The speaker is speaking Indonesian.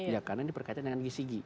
ya karena ini berkaitan dengan gcg